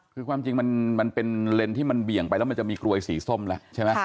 คือความจริงมันเป็นเลนส์ที่มันเบี่ยงไปแล้วมันจะมีกลวยสีส้มแล้วใช่ไหม